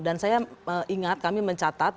dan saya ingat kami mencatat